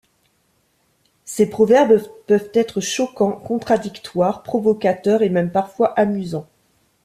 Ces proverbes peuvent être choquants, contradictoires, provocateurs et même parfois amusants.